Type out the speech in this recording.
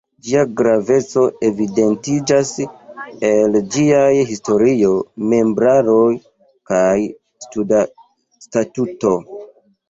Ĝia graveco evidentiĝas el ĝiaj historio, membraro kaj statuto.